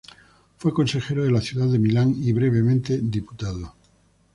Fue consejero de la ciudad de Milán y, brevemente, diputado.